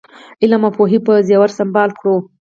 علم او پوهې په زېور سمبال کړو.